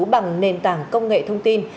bằng nền tảng công nghệ thông tin